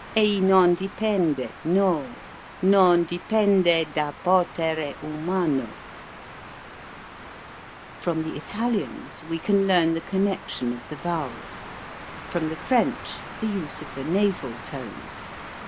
Ei non dipende, no, non dipende da potere umano !" From the Italians we can learn the connec tion of the vowels, from the French the use of the nasal tone.